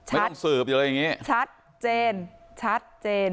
ไม่ต้องสืบอยู่เลยอย่างนี้ชัดเจนชัดเจน